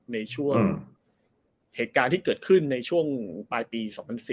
ในช่วงเหตุการณ์ที่เกิดขึ้นในช่วงปลายปี๒๐๑๐